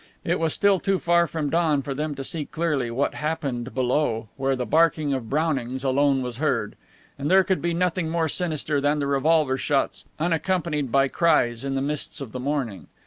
It was still too far from dawn for them to see clearly what happened below, where the barking of Brownings alone was heard. And there could be nothing more sinister than the revolver shots unaccompanied by cries in the mists of the morning.